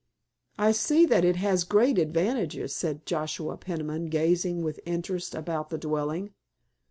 "I see that it has great advantages," said Joshua Peniman gazing with interest about the dwelling.